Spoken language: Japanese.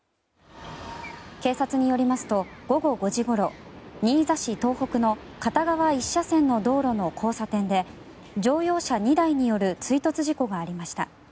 警察によりますと午後５時ごろ新座市東北の片側１車線の道路の交差点で乗用車２台による追突事故がありました。